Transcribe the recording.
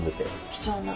貴重な。